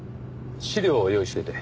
資料を用意しておいて。